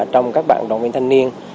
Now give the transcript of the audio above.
trong các bạn đồng viên thanh niên